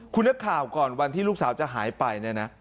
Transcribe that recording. คุณนักข่าวก่อนวันที่ลูกสาวจะหายไปเนี่ยนะ